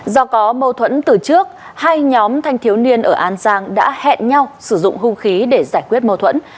do có mâu thuẫn từ trước hai nhóm thanh thiếu niên ở an giang đã hẹn nhau sử dụng hung khí để giải quyết mâu thuẫn